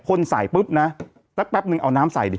คนใส่ปุ๊บนะสักแป๊บนึงเอาน้ำใส่ดิ